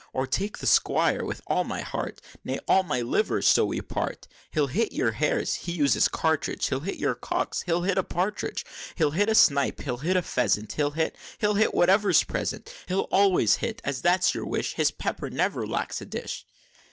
Or take the Squire, with all my heart, Nay, all my liver, so we part! He'll hit you hares (he uses cartridge) He'll hit you cocks he'll hit a partridge; He'll hit a snipe; he'll hit a pheasant; He'll hit he'll hit whatever's present; He'll always hit, as that's your wish His pepper never lacks a dish!"